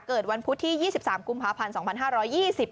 เกิดวันพุธที่๒๓กุมภาพันธ์๒๕๒๐